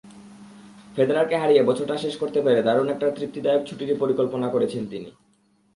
ফেদেরারকে হারিয়ে বছরটা শেষ করতে পেরে দারুণ একটা তৃপ্তিদায়ক ছুটিরই পরিকল্পনা করেছেন তিনি।